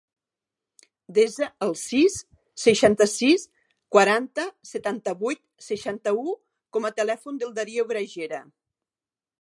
Desa el sis, seixanta-sis, quaranta, setanta-vuit, seixanta-u com a telèfon del Dario Gragera.